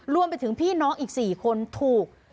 รวมไปถึงพี่น้องอีก๔คนถูก